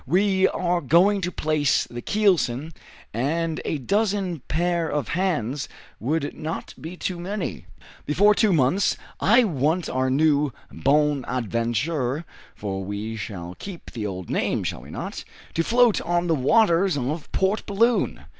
We are going to place the keelson, and a dozen pair of hands would not be too many. Before two months I want our new 'Bonadventure' for we shall keep the old name, shall we not? to float on the waters of Port Balloon!